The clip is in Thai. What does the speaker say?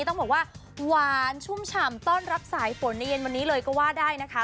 ต้องบอกว่าหวานชุ่มฉ่ำต้อนรับสายฝนในเย็นวันนี้เลยก็ว่าได้นะคะ